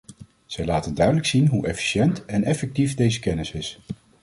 Zij laten duidelijk zien hoe efficiënt en effectief deze kennis is.